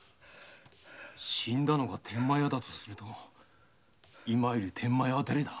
死んだのが天満屋だとすると今いる天満屋はだれだ？